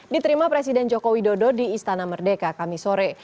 diterima presiden joko widodo di istana merdeka kamisore